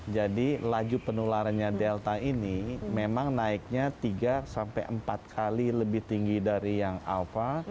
jadi laju penularannya delta ini memang naiknya tiga sampai empat kali lebih tinggi dari yang alfa